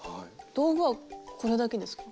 道具はこれだけですか？